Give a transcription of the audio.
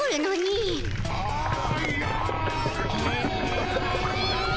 ああ。